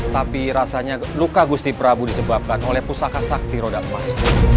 tapi rasanya luka gusti prabu disebabkan oleh pusaka sakti roda emas